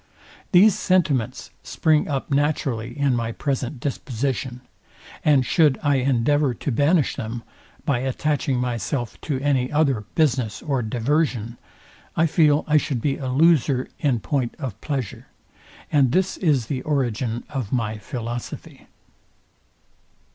These sentiments spring up naturally in my present disposition; and should I endeavour to banish them, by attaching myself to any other business or diversion, I feel I should be a loser in point of pleasure; and this is the origin of my philosophy.